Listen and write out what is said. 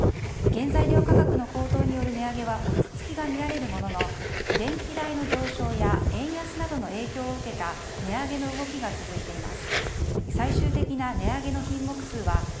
原材料価格の高騰による値上げは落ち着きが見られるものの電気代の上昇や円安などの影響を受けた値上げの動きが続いています。